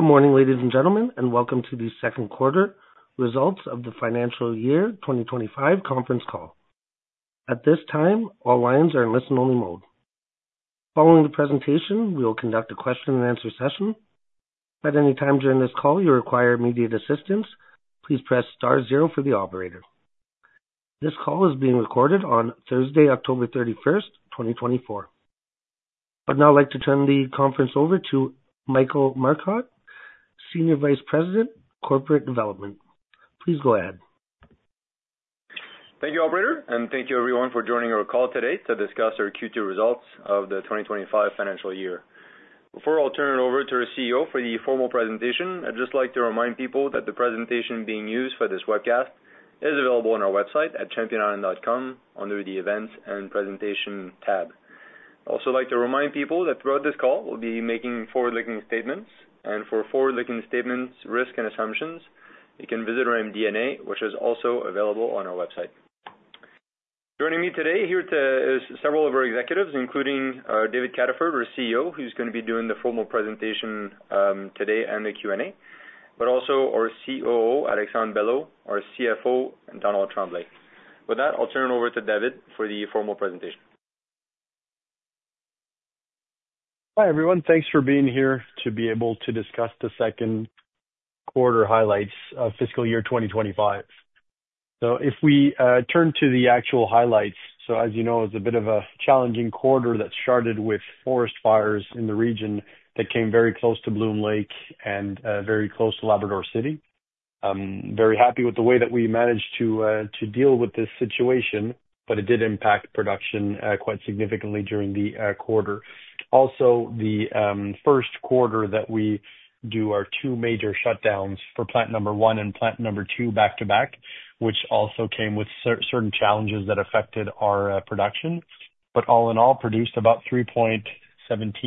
Good morning, ladies and gentlemen, and welcome to the second quarter results of the financial year 2025 conference call. At this time, all lines are in listen-only mode. Following the presentation, we will conduct a question-and-answer session. At any time during this call, you require immediate assistance, please press star zero for the operator. This call is being recorded on Thursday, October 31st, 2024. I'd now like to turn the conference over to Michael Marcotte, Senior Vice President, Corporate Development. Please go ahead. Thank you, Operator, and thank you, everyone, for joining our call today to discuss our Q2 results of the 2025 financial year. Before I'll turn it over to our CEO for the formal presentation, I'd just like to remind people that the presentation being used for this webcast is available on our website at championiron.com under the Events and Presentation tab. I'd also like to remind people that throughout this call, we'll be making forward-looking statements, and for forward-looking statements, risks, and assumptions, you can visit our MD&A, which is also available on our website. Joining me today here is several of our executives, including David Cataford, our CEO, who's going to be doing the formal presentation today and the Q&A, but also our COO, Alexandre Belleau, our CFO, and Donald Tremblay. With that, I'll turn it over to David for the formal presentation. Hi, everyone. Thanks for being here to be able to discuss the second quarter highlights of fiscal year 2025. So if we turn to the actual highlights, so as you know, it's a bit of a challenging quarter that started with forest fires in the region that came very close to Bloom Lake and very close to Labrador City. I'm very happy with the way that we managed to deal with this situation, but it did impact production quite significantly during the quarter. Also, the first quarter that we do our two major shutdowns for plant number one and plant number two back to back, which also came with certain challenges that affected our production, but all in all, produced about 3.17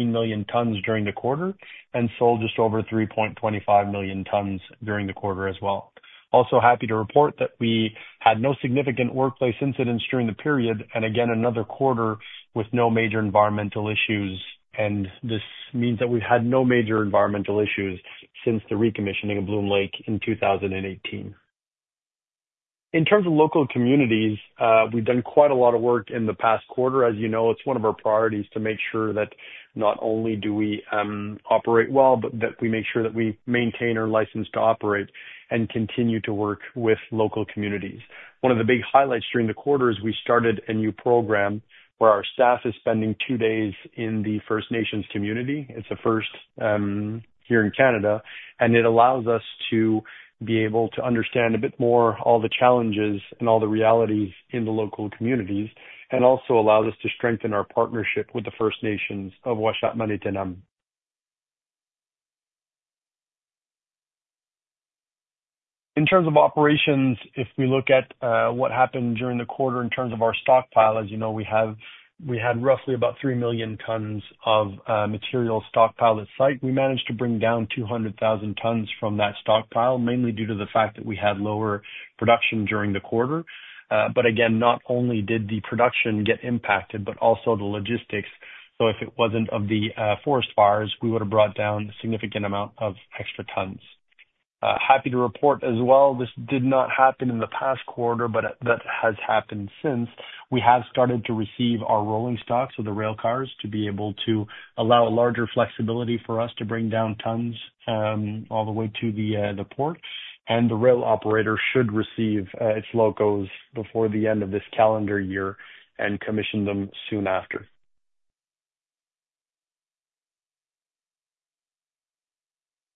million tons during the quarter and sold just over 3.25 million tons during the quarter as well. Also, happy to report that we had no significant workplace incidents during the period, and again, another quarter with no major environmental issues, and this means that we've had no major environmental issues since the recommissioning of Bloom Lake in 2018. In terms of local communities, we've done quite a lot of work in the past quarter. As you know, it's one of our priorities to make sure that not only do we operate well, but that we make sure that we maintain our license to operate and continue to work with local communities. One of the big highlights during the quarter is we started a new program where our staff is spending two days in the First Nations community. It's a first here in Canada, and it allows us to be able to understand a bit more all the challenges and all the realities in the local communities and also allows us to strengthen our partnership with the First Nations of Uashat mak Mani-utenam. In terms of operations, if we look at what happened during the quarter in terms of our stockpile, as you know, we had roughly about 3 million tons of material stockpile at site. We managed to bring down 200,000 tons from that stockpile, mainly due to the fact that we had lower production during the quarter. But again, not only did the production get impacted, but also the logistics. So if it wasn't for the forest fires, we would have brought down a significant amount of extra tons. Happy to report as well, this did not happen in the past quarter, but that has happened since. We have started to receive our rolling stock, so the rail cars, to be able to allow a larger flexibility for us to bring down tons all the way to the port, and the rail operator should receive its locos before the end of this calendar year and commission them soon after.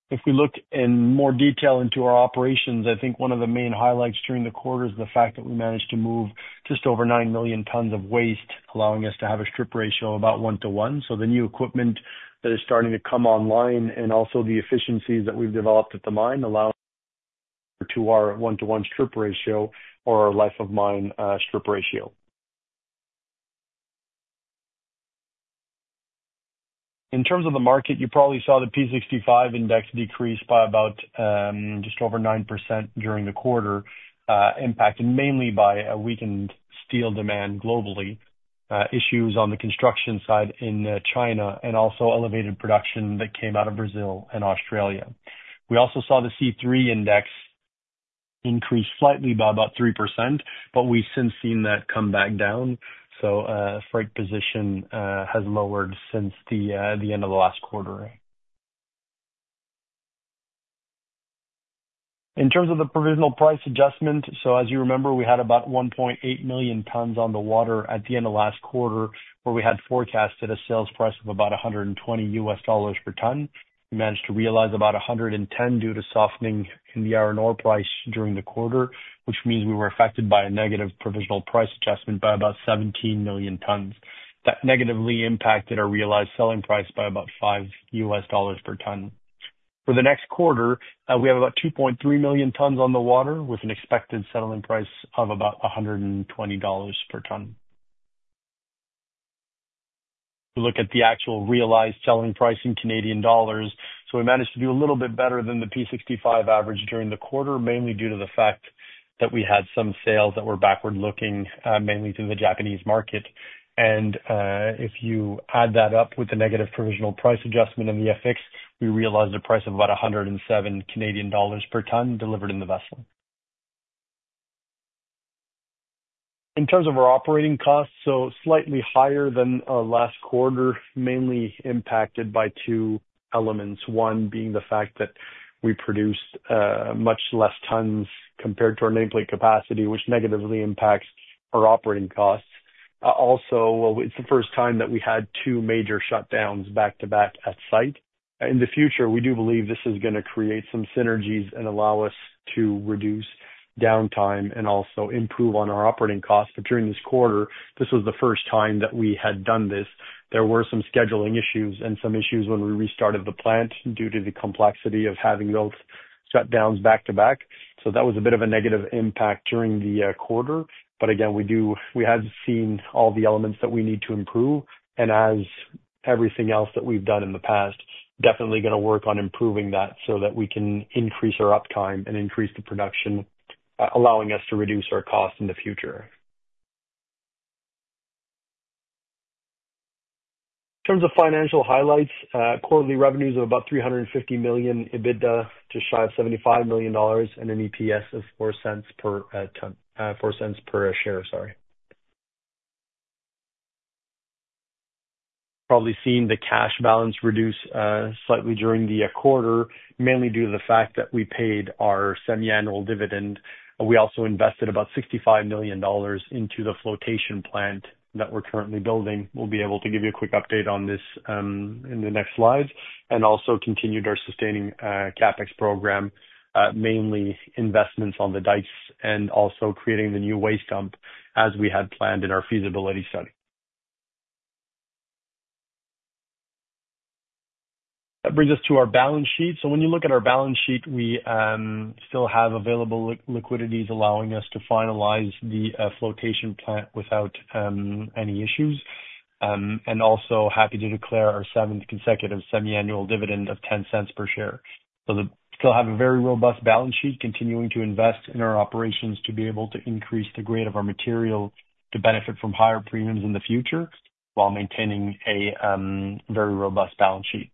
If we look in more detail into our operations, I think one of the main highlights during the quarter is the fact that we managed to move just over nine million tons of waste, allowing us to have a strip ratio of about one to one. So the new equipment that is starting to come online and also the efficiencies that we've developed at the mine allow to our one-to-one strip ratio or our life-of-mine strip ratio. In terms of the market, you probably saw the P65 Index decrease by about just over 9% during the quarter, impacted mainly by a weakened steel demand globally, issues on the construction side in China, and also elevated production that came out of Brazil and Australia. We also saw the C3 Index increase slightly by about 3%, but we've since seen that come back down. So freight position has lowered since the end of the last quarter. In terms of the provisional price adjustment, so as you remember, we had about 1.8 million tons on the water at the end of last quarter, where we had forecasted a sales price of about $120 per ton. We managed to realize about $110 due to softening in the iron ore price during the quarter, which means we were affected by a negative provisional price adjustment by about $17 million. That negatively impacted our realized selling price by about $5 per ton. For the next quarter, we have about 2.3 million tons on the water with an expected settling price of about $120 per ton. We look at the actual realized selling price in Canadian dollars. So we managed to do a little bit better than the P65 average during the quarter, mainly due to the fact that we had some sales that were backward-looking, mainly through the Japanese market. And if you add that up with the negative provisional price adjustment and the FX, we realized a price of about 107 Canadian dollars per ton delivered in the vessel. In terms of our operating costs, so slightly higher than last quarter, mainly impacted by two elements, one being the fact that we produced much less tons compared to our nameplate capacity, which negatively impacts our operating costs. Also, it's the first time that we had two major shutdowns back to back at site. In the future, we do believe this is going to create some synergies and allow us to reduce downtime and also improve on our operating costs. But during this quarter, this was the first time that we had done this. There were some scheduling issues and some issues when we restarted the plant due to the complexity of having those shutdowns back to back. So that was a bit of a negative impact during the quarter. But again, we had seen all the elements that we need to improve, and as everything else that we've done in the past, definitely going to work on improving that so that we can increase our uptime and increase the production, allowing us to reduce our costs in the future. In terms of financial highlights, quarterly revenues of about 350 million, EBITDA to shy of 75 million dollars, and an EPS of 0.04 per share. Sorry. Probably seen the cash balance reduce slightly during the quarter, mainly due to the fact that we paid our semi-annual dividend. We also invested about 65 million dollars into the flotation plant that we're currently building. We'll be able to give you a quick update on this in the next slides and also continued our sustaining CapEx program, mainly investments on the dikes and also creating the new waste dump as we had planned in our feasibility study. That brings us to our balance sheet. So when you look at our balance sheet, we still have available liquidity allowing us to finalize the flotation plant without any issues. And also happy to declare our seventh consecutive semi-annual dividend of 0.10 per share. So still have a very robust balance sheet, continuing to invest in our operations to be able to increase the grade of our material to benefit from higher premiums in the future while maintaining a very robust balance sheet.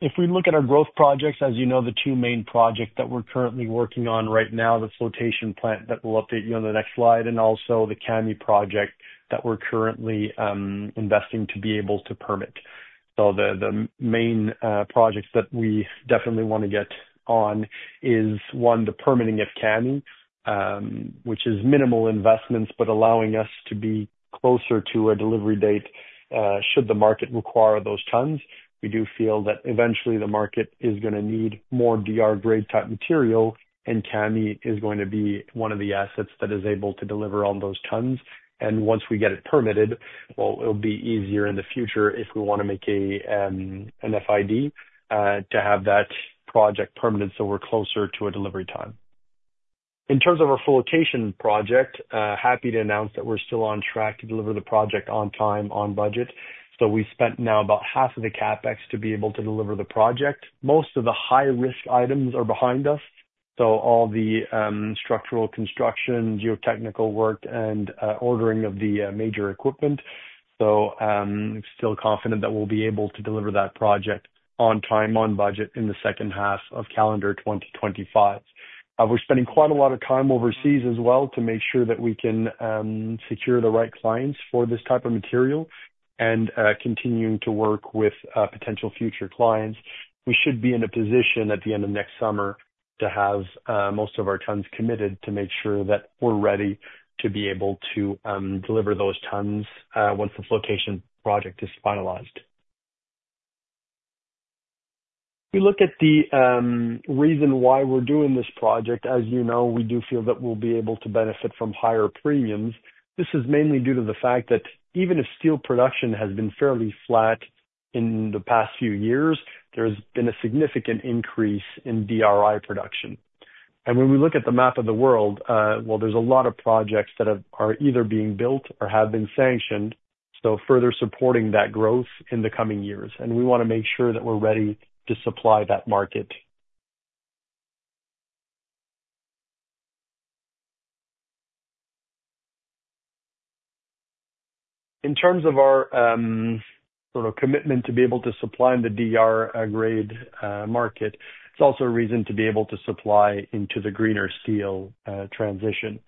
If we look at our growth projects, as you know, the two main projects that we're currently working on right now, the flotation plant that we'll update you on the next slide, and also the Kami project that we're currently investing to be able to permit. The main projects that we definitely want to get on is, one, the permitting of Kami, which is minimal investments, but allowing us to be closer to a delivery date should the market require those tons. We do feel that eventually the market is going to need more DR-grade type material, and Kami is going to be one of the assets that is able to deliver on those tons. Once we get it permitted, well, it'll be easier in the future if we want to make an FID to have that project permitted so we're closer to a delivery time. In terms of our flotation project, happy to announce that we're still on track to deliver the project on time, on budget so we spent now about half of the CapEx to be able to deliver the project. Most of the high-risk items are behind us, so all the structural construction, geotechnical work, and ordering of the major equipment so still confident that we'll be able to deliver that project on time, on budget in the second half of calendar 2025. We're spending quite a lot of time overseas as well to make sure that we can secure the right clients for this type of material and continuing to work with potential future clients. We should be in a position at the end of next summer to have most of our tons committed to make sure that we're ready to be able to deliver those tons once the flotation project is finalized. We look at the reason why we're doing this project. As you know, we do feel that we'll be able to benefit from higher premiums. This is mainly due to the fact that even if steel production has been fairly flat in the past few years, there has been a significant increase in DRI production, and when we look at the map of the world, well, there's a lot of projects that are either being built or have been sanctioned, so further supporting that growth in the coming years, and we want to make sure that we're ready to supply that market. In terms of our sort of commitment to be able to supply in the DR-grade market, it's also a reason to be able to supply into the greener steel transition.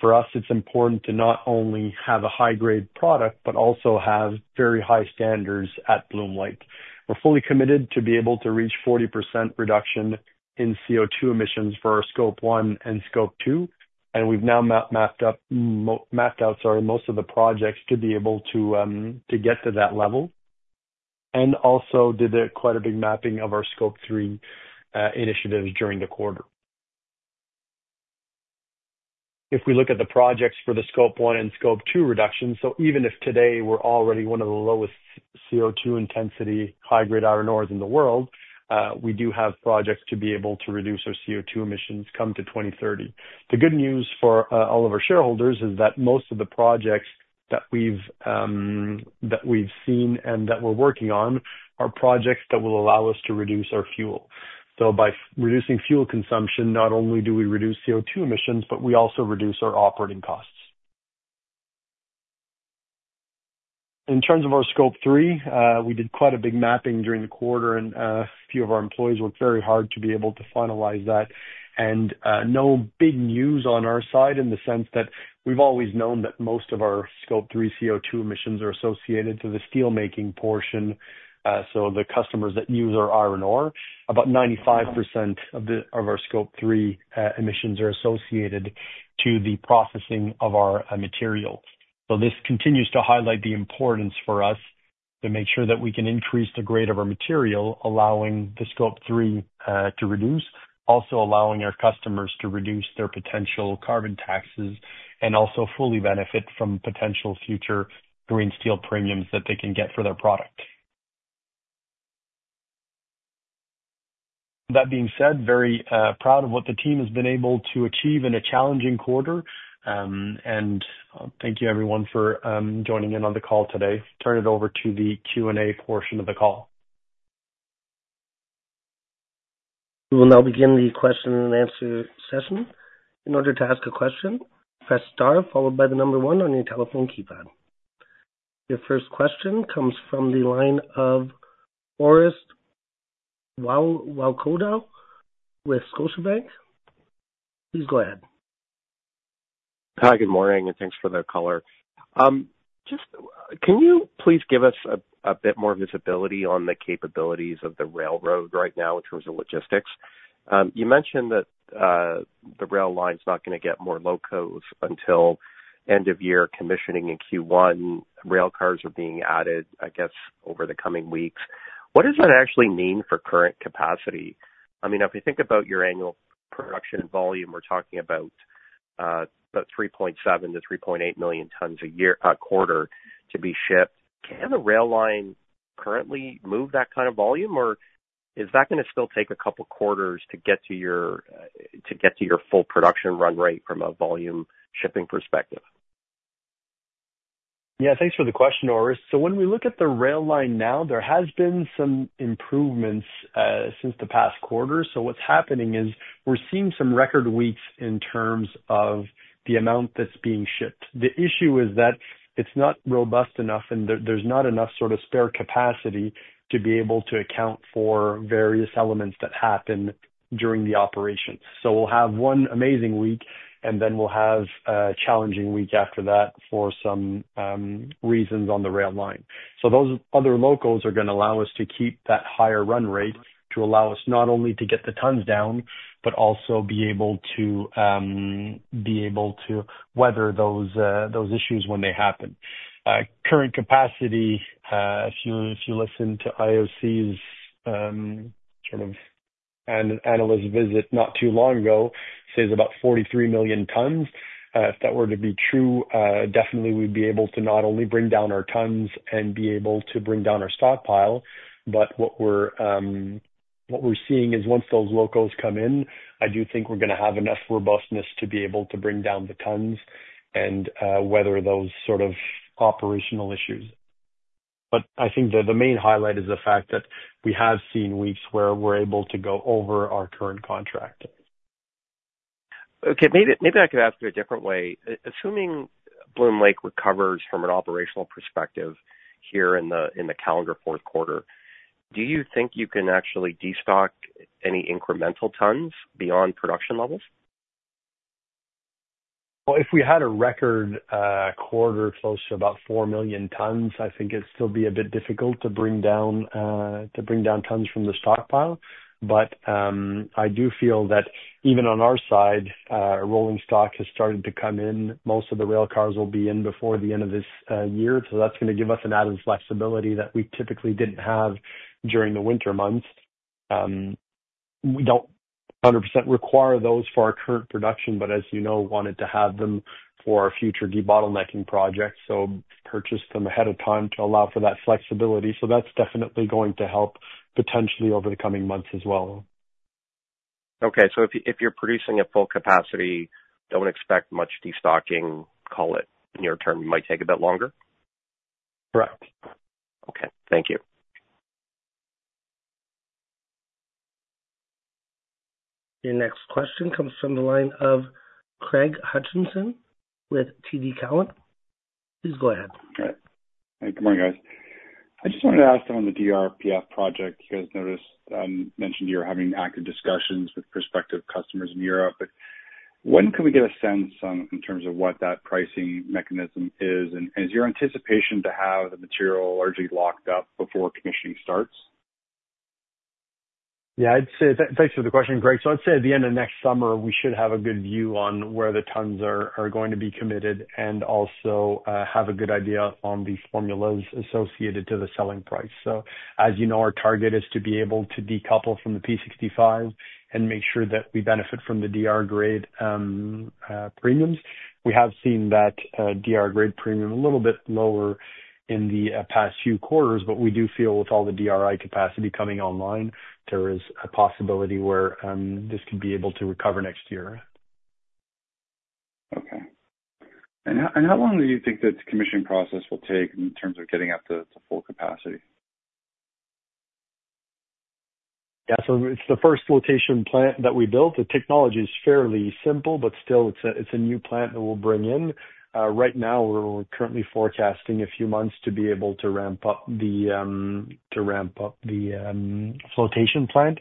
For us, it's important to not only have a high-grade product, but also have very high standards at Bloom Lake. We're fully committed to be able to reach 40% reduction in CO2 emissions for our Scope 1 and Scope 2. We've now mapped out, sorry, most of the projects to be able to get to that level and also did quite a big mapping of our Scope 3 initiatives during the quarter. If we look at the projects for the Scope 1 and Scope 2 reduction, even if today we're already one of the lowest CO2 intensity high-grade iron ores in the world, we do have projects to be able to reduce our CO2 emissions come to 2030. The good news for all of our shareholders is that most of the projects that we've seen and that we're working on are projects that will allow us to reduce our fuel. So by reducing fuel consumption, not only do we reduce CO2 emissions, but we also reduce our operating costs. In terms of our Scope 3, we did quite a big mapping during the quarter, and a few of our employees worked very hard to be able to finalize that. And no big news on our side in the sense that we've always known that most of our Scope 3 CO2 emissions are associated to the steelmaking portion, so the customers that use our iron ore. About 95% of our Scope 3 emissions are associated to the processing of our material. So this continues to highlight the importance for us to make sure that we can increase the grade of our material, allowing the Scope 3 to reduce, also allowing our customers to reduce their potential carbon taxes and also fully benefit from potential future green steel premiums that they can get for their product. That being said, very proud of what the team has been able to achieve in a challenging quarter. And thank you, everyone, for joining in on the call today. Turn it over to the Q&A portion of the call. We will now begin the question and answer session. In order to ask a question, press star followed by the number one on your telephone keypad. Your first question comes from the line of Orest Wowkodaw with Scotiabank. Please go ahead. Hi, good morning, and thanks for the caller. Just, can you please give us a bit more visibility on the capabilities of the railroad right now in terms of logistics? You mentioned that the rail line's not going to get more locos until end of year commissioning in Q1. Rail cars are being added, I guess, over the coming weeks. What does that actually mean for current capacity? I mean, if we think about your annual production volume, we're talking about 3.7-3.8 million tons a quarter to be shipped. Can the rail line currently move that kind of volume, or is that going to still take a couple of quarters to get to your full production run rate from a volume shipping perspective? Yeah, thanks for the question, Orest. So when we look at the rail line now, there has been some improvements since the past quarter. So what's happening is we're seeing some record weeks in terms of the amount that's being shipped. The issue is that it's not robust enough, and there's not enough sort of spare capacity to be able to account for various elements that happen during the operations. So we'll have one amazing week, and then we'll have a challenging week after that for some reasons on the rail line. So those other locos are going to allow us to keep that higher run rate to allow us not only to get the tons down, but also be able to weather those issues when they happen. Current capacity, if you listen to IOC's sort of analyst visit not too long ago, says about 43 million tons. If that were to be true, definitely we'd be able to not only bring down our tons and be able to bring down our stockpile. What we're seeing is once those locos come in, I do think we're going to have enough robustness to be able to bring down the tons and weather those sort of operational issues. I think the main highlight is the fact that we have seen weeks where we're able to go over our current contract. Okay. Maybe I could ask you a different way. Assuming Bloom Lake recovers from an operational perspective here in the calendar Q4, do you think you can actually destock any incremental tons beyond production levels? If we had a record quarter close to about four million tons, I think it'd still be a bit difficult to bring down tons from the stockpile. I do feel that even on our side, rolling stock has started to come in. Most of the rail cars will be in before the end of this year. So that's going to give us an added flexibility that we typically didn't have during the winter months. We don't 100% require those for our current production, but as you know, wanted to have them for our future debottlenecking projects. So purchased them ahead of time to allow for that flexibility. So that's definitely going to help potentially over the coming months as well. Okay. So if you're producing at full capacity, don't expect much destocking, call it, in your term, might take a bit longer? Correct. Okay. Thank you. Your next question comes from the line of Craig Hutchison with TD Cowen. Please go ahead. Hey, good morning, guys. I just wanted to ask about the DRPF project. You guys noticed I mentioned you're having active discussions with prospective customers in Europe. When can we get a sense in terms of what that pricing mechanism is? And is your anticipation to have the material largely locked up before commissioning starts? Yeah, thanks for the question, Greg. I'd say at the end of next summer, we should have a good view on where the tons are going to be committed and also have a good idea on the formulas associated to the selling price. As you know, our target is to be able to decouple from the P65 and make sure that we benefit from the DR-grade premiums. We have seen that DR-grade premium a little bit lower in the past few quarters, but we do feel with all the DRI capacity coming online, there is a possibility where this could be able to recover next year. Okay. How long do you think that the commissioning process will take in terms of getting up to full capacity? Yeah. So it's the first flotation plant that we built. The technology is fairly simple, but still, it's a new plant that we'll bring in. Right now, we're currently forecasting a few months to be able to ramp up the flotation plant.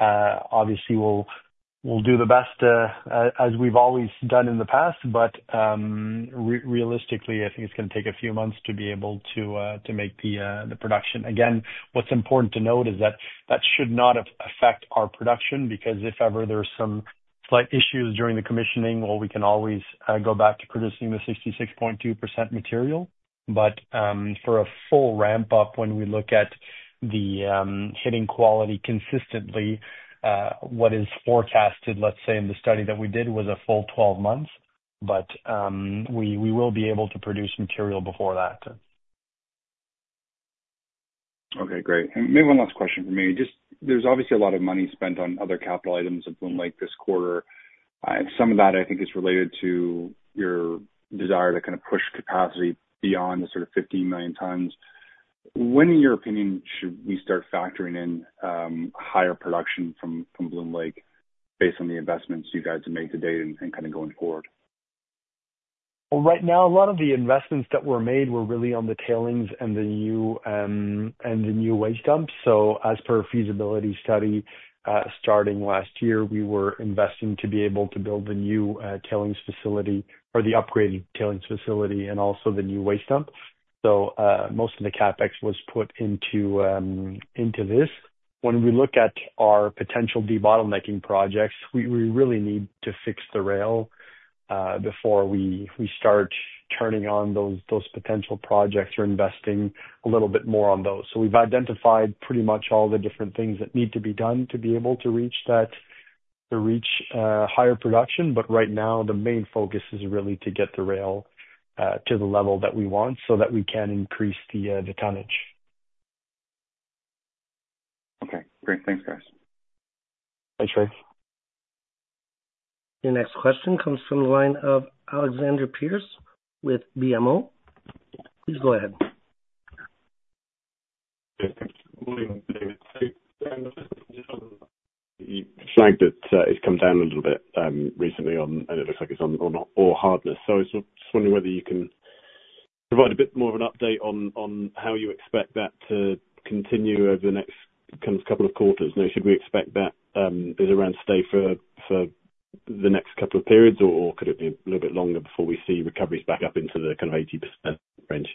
Obviously, we'll do the best as we've always done in the past, but realistically, I think it's going to take a few months to be able to make the production. Again, what's important to note is that that should not affect our production because if ever there's some slight issues during the commissioning, well, we can always go back to producing the 66.2% material. But for a full ramp-up, when we look at the hitting quality consistently, what is forecasted, let's say in the study that we did, was a full 12 months, but we will be able to produce material before that. Okay. Great. And maybe one last question for me. There's obviously a lot of money spent on other capital items at Bloom Lake this quarter. Some of that, I think, is related to your desire to kind of push capacity beyond the sort of 15 million tons. When, in your opinion, should we start factoring in higher production from Bloom Lake based on the investments you guys have made to date and kind of going forward? Well, right now, a lot of the investments that were made were really on the tailings and the new waste dumps. So as per a feasibility study starting last year, we were investing to be able to build the new tailings facility or the upgraded tailings facility and also the new waste dump. So most of the CapEx was put into this. When we look at our potential debottlenecking projects, we really need to fix the rail before we start turning on those potential projects or investing a little bit more on those. So we've identified pretty much all the different things that need to be done to be able to reach that higher production. But right now, the main focus is really to get the rail to the level that we want so that we can increase the tonnage. Okay. Great. Thanks, guys. Thanks, Greg. Your next question comes from the line of Alexander Pearce with BMO. Please go ahead. Recovery has come down a little bit recently, and it looks like it's on ore hardness. So I was just wondering whether you can provide a bit more of an update on how you expect that to continue over the next kind of couple of quarters. Should we expect that it's around to stay for the next couple of periods, or could it be a little bit longer before we see recoveries back up into the kind of 80% range?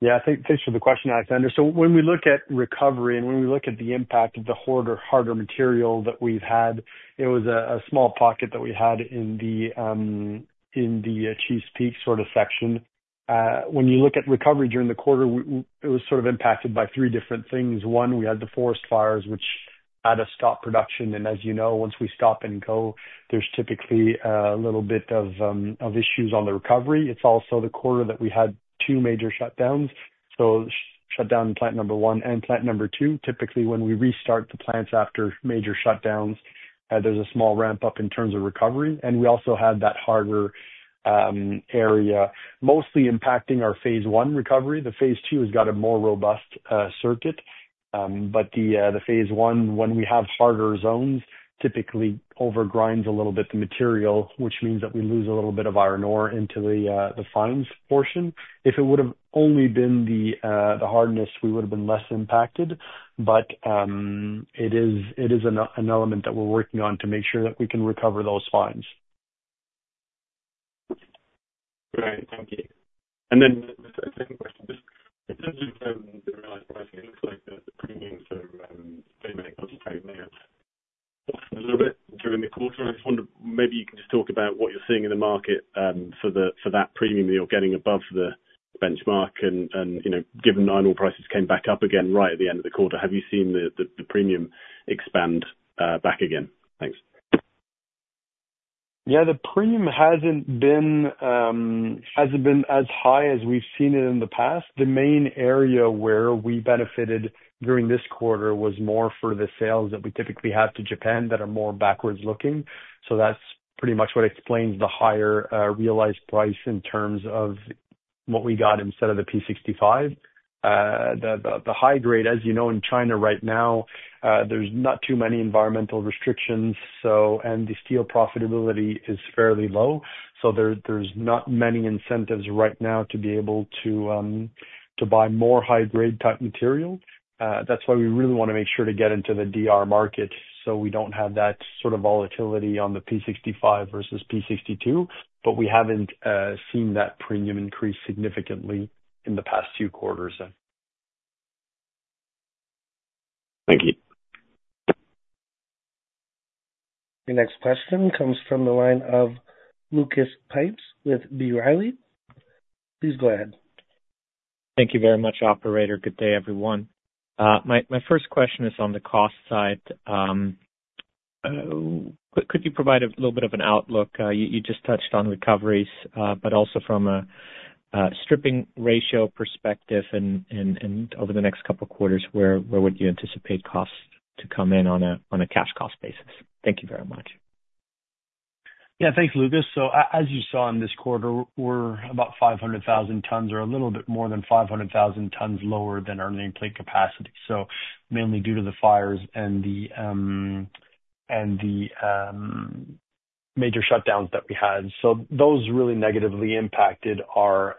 Yeah. Thanks for the question, Alexander. So when we look at recovery and when we look at the impact of the harder material that we've had, it was a small pocket that we had in the Chief's Peak sort of section. When you look at recovery during the quarter, it was sort of impacted by three different things. One, we had the forest fires, which had to stop production. And as you know, once we stop and go, there's typically a little bit of issues on the recovery. It's also the quarter that we had two major shutdowns. So shutdown plant number one and plant number two, typically when we restart the plants after major shutdowns, there's a small ramp-up in terms of recovery. And we also had that harder area mostly impacting our phase one recovery. The phase two has got a more robust circuit. But the phase one, when we have harder zones, typically overgrinds a little bit the material, which means that we lose a little bit of iron ore into the fines portion. If it would have only been the hardness, we would have been less impacted. But it is an element that we're working on to make sure that we can recover those fines. Great. Thank you. And then the second question is, in terms of the rail line pricing, it looks like the premium, sort of, they may have dropped a little bit during the quarter. I just wondered maybe you can just talk about what you're seeing in the market for that premium that you're getting above the benchmark and given iron ore prices came back up again right at the end of the quarter, have you seen the premium expand back again? Thanks. Yeah. The premium hasn't been as high as we've seen it in the past. The main area where we benefited during this quarter was more for the sales that we typically have to Japan that are more backward-looking. So that's pretty much what explains the higher realized price in terms of what we got instead of the P65. The high grade, as you know, in China right now, there's not too many environmental restrictions, and the steel profitability is fairly low. So there's not many incentives right now to be able to buy more high-grade type material. That's why we really want to make sure to get into the DR market so we don't have that sort of volatility on the P65 versus P62. But we haven't seen that premium increase significantly in the past few quarters. Thank you. Your next question comes from the line of Lucas Pipes with B. Riley. Please go ahead. Thank you very much, Operator. Good day, everyone. My first question is on the cost side. Could you provide a little bit of an outlook? You just touched on recoveries, but also from a stripping ratio perspective and over the next couple of quarters, where would you anticipate costs to come in on a cash cost basis? Thank you very much. Yeah. Thanks, Lucas. So as you saw in this quarter, we're about 500,000 tons or a little bit more than 500,000 tons lower than our nameplate capacity. So mainly due to the fires and the major shutdowns that we had. So those really negatively impacted our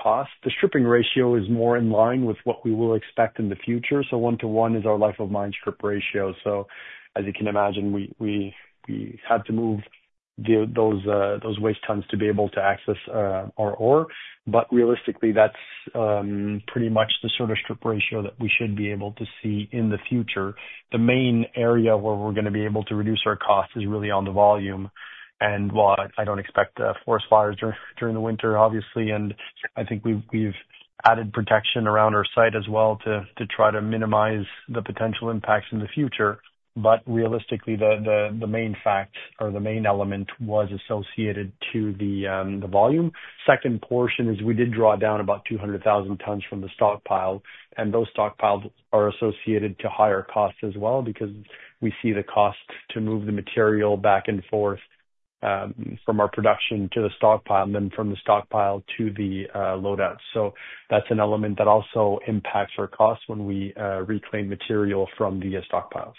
costs. The stripping ratio is more in line with what we will expect in the future. So one-to-one is our life-of-mine strip ratio. So as you can imagine, we had to move those waste tons to be able to access our ore. But realistically, that's pretty much the sort of strip ratio that we should be able to see in the future. The main area where we're going to be able to reduce our cost is really on the volume, and while I don't expect forest fires during the winter, obviously, and I think we've added protection around our site as well to try to minimize the potential impacts in the future, but realistically, the main fact or the main element was associated to the volume. Second portion is we did draw down about 200,000 tons from the stockpile, and those stockpiles are associated to higher costs as well because we see the cost to move the material back and forth from our production to the stockpile and then from the stockpile to the loadout. So that's an element that also impacts our costs when we reclaim material from the stockpiles,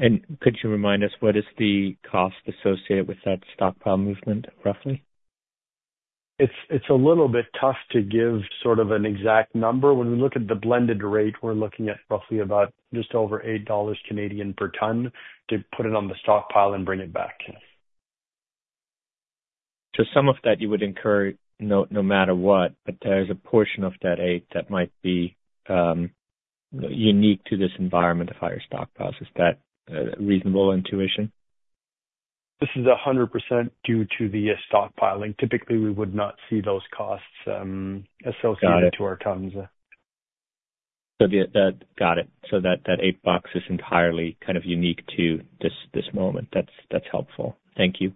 and could you remind us what is the cost associated with that stockpile movement, roughly? It's a little bit tough to give sort of an exact number. When we look at the blended rate, we're looking at roughly about just over 8 Canadian dollars per ton to put it on the stockpile and bring it back. So some of that you would incur no matter what, but there's a portion of that eight that might be unique to this environment of higher stockpiles. Is that a reasonable intuition? This is 100% due to the stockpiling. Typically, we would not see those costs associated to our tons. Got it. So that eight bucks is entirely kind of unique to this moment. That's helpful. Thank you.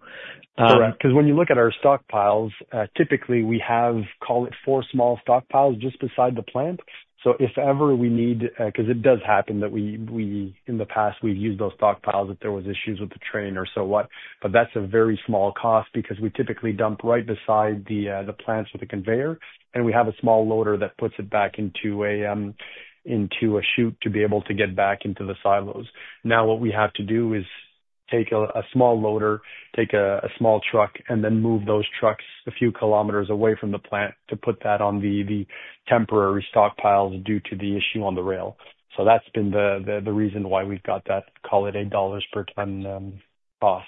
Correct. Because when you look at our stockpiles, typically we have call it four small stockpiles just beside the plant. So if ever we need, because it does happen that in the past we've used those stockpiles if there were issues with the train or so what. But that's a very small cost because we typically dump right beside the plants with the conveyor, and we have a small loader that puts it back into a chute to be able to get back into the silos. Now, what we have to do is take a small loader, take a small truck, and then move those trucks a few kilometers away from the plant to put that on the temporary stockpiles due to the issue on the rail. So that's been the reason why we've got that, call it $8 per ton cost.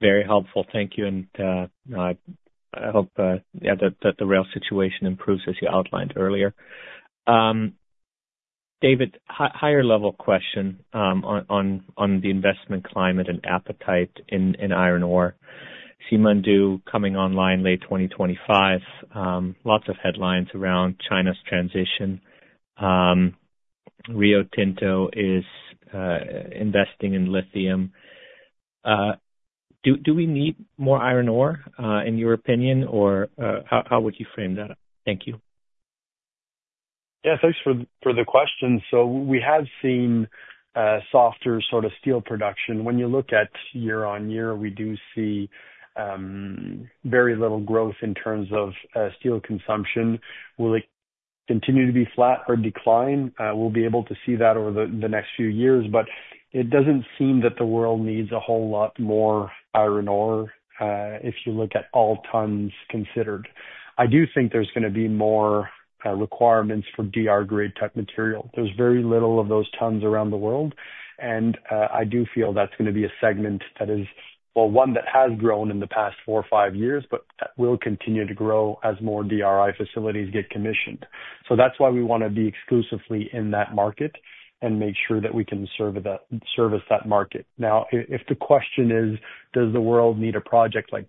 Very helpful. Thank you. And I hope, yeah, that the rail situation improves as you outlined earlier. David, higher-level question on the investment climate and appetite in iron ore. Simandou coming online late 2025. Lots of headlines around China's transition. Rio Tinto is investing in lithium. Do we need more iron ore in your opinion, or how would you frame that? Thank you. Yeah. Thanks for the question. So we have seen softer sort of steel production. When you look at year-on-year, we do see very little growth in terms of steel consumption. Will it continue to be flat or decline? We'll be able to see that over the next few years, but it doesn't seem that the world needs a whole lot more iron ore if you look at all tons considered. I do think there's going to be more requirements for DR-grade type material. There's very little of those tons around the world. I do feel that's going to be a segment that is, well, one that has grown in the past four or five years, but that will continue to grow as more DRI facilities get commissioned. That's why we want to be exclusively in that market and make sure that we can service that market. Now, if the question is, does the world need a project like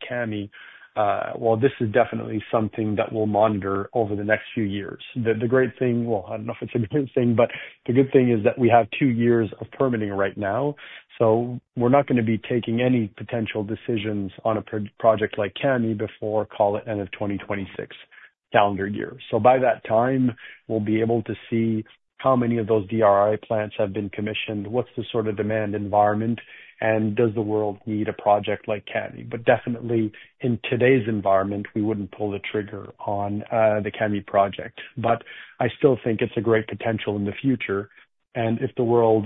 Kami? This is definitely something that we'll monitor over the next few years. The great thing, well, I don't know if it's a great thing, but the good thing is that we have two years of permitting right now. We're not going to be taking any potential decisions on a project like Kami before, call it, end of 2026 calendar year. So by that time, we'll be able to see how many of those DRI plants have been commissioned, what's the sort of demand environment, and does the world need a project like Kami. But definitely, in today's environment, we wouldn't pull the trigger on the Kami project. But I still think it's a great potential in the future. And if the world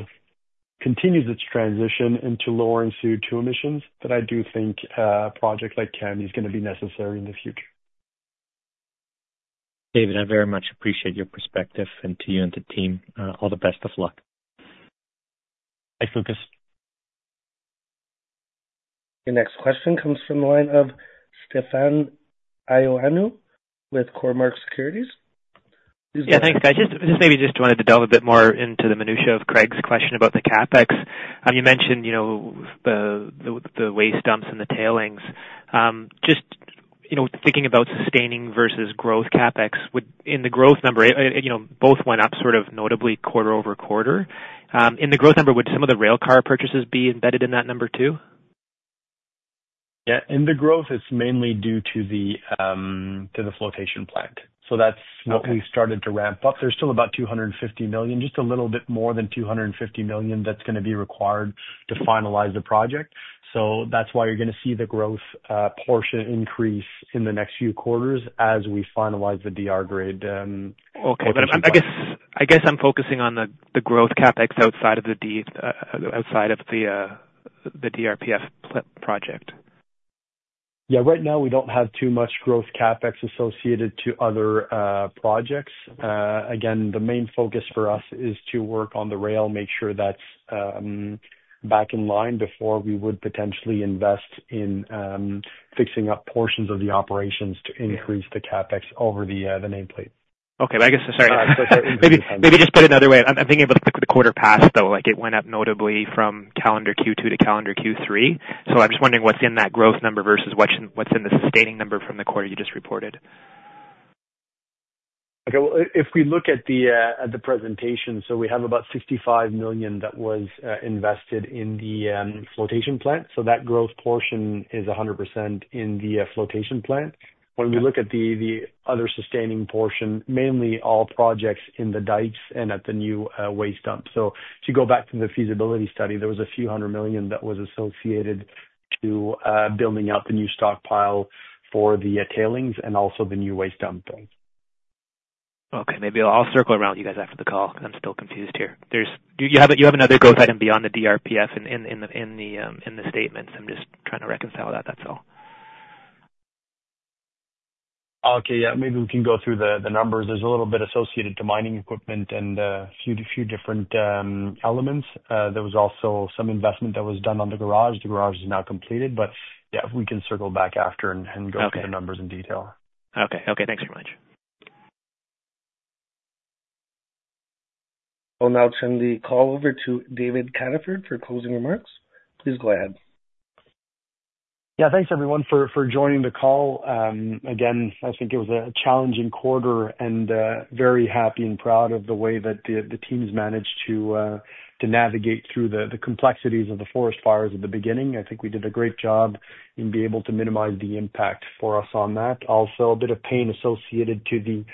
continues its transition into lowering CO2 emissions, then I do think a project like Kami is going to be necessary in the future. David, I very much appreciate your perspective, and to you and the team, all the best of luck. Thanks, Lucas. Your next question comes from the line of Stefan Ioannou with Cormark Securities. Yeah. Thanks, guys. Just maybe just wanted to delve a bit more into the minutiae of Craig's question about the CapEx. You mentioned the waste dumps and the tailings. Just thinking about sustaining versus growth CapEx, in the growth number, both went up sort of notably quarter over quarter. In the growth number, would some of the rail car purchases be embedded in that number too? Yeah. In the growth, it's mainly due to the flotation plant. So that's what we started to ramp up. There's still about 250 million, just a little bit more than 250 million that's going to be required to finalize the project. So that's why you're going to see the growth portion increase in the next few quarters as we finalize the DR grade. Okay. But I guess I'm focusing on the growth CapEx outside of the DRPF project. Yeah. Right now, we don't have too much growth CapEx associated to other projects. Again, the main focus for us is to work on the rail, make sure that's back in line before we would potentially invest in fixing up portions of the operations to increase the CapEx over the nameplate. Okay. I guess, sorry. Maybe just put it another way. I'm thinking about the quarter passed, though. It went up notably from calendar Q2 to calendar Q3. So I'm just wondering what's in that growth number versus what's in the sustaining number from the quarter you just reported. Okay. Well, if we look at the presentation, so we have about 65 million that was invested in the flotation plant. So that growth portion is 100% in the flotation plant. When we look at the other sustaining portion, mainly all projects in the dykes and at the new waste dump. So if you go back to the feasibility study, there was a few hundred million that was associated to building out the new stockpile for the tailings and also the new waste dump. Okay. Maybe I'll circle around with you guys after the call because I'm still confused here. You have another growth item beyond the DRPF in the statements. I'm just trying to reconcile that. That's all. Okay. Yeah. Maybe we can go through the numbers. There's a little bit associated to mining equipment and a few different elements. There was also some investment that was done on the garage. The garage is now completed. But yeah, we can circle back after and go through the numbers in detail. Okay. Okay. Thanks very much. I'll now turn the call over to David Cataford for closing remarks. Please go ahead. Yeah. Thanks, everyone, for joining the call. Again, I think it was a challenging quarter and very happy and proud of the way that the team's managed to navigate through the complexities of the forest fires at the beginning. I think we did a great job in being able to minimize the impact for us on that. Also, a bit of pain associated to the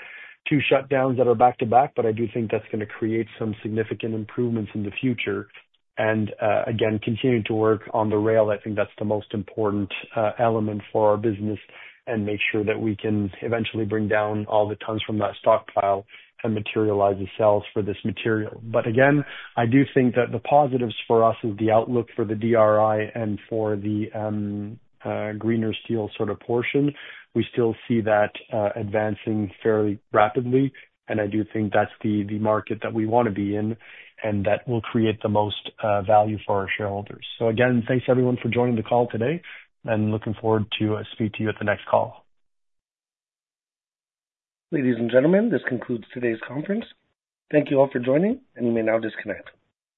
two shutdowns that are back to back, but I do think that's going to create some significant improvements in the future. And again, continuing to work on the rail, I think that's the most important element for our business and make sure that we can eventually bring down all the tons from that stockpile and materialize the sales for this material. But again, I do think that the positives for us is the outlook for the DRI and for the greener steel sort of portion. We still see that advancing fairly rapidly, and I do think that's the market that we want to be in and that will create the most value for our shareholders. So again, thanks, everyone, for joining the call today, and looking forward to speaking to you at the next call. Ladies and gentlemen, this concludes today's conference. Thank you all for joining, and you may now disconnect.